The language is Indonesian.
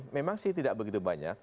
memang sih tidak begitu banyak